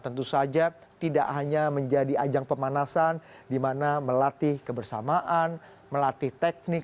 tentu saja tidak hanya menjadi ajang pemanasan di mana melatih kebersamaan melatih teknik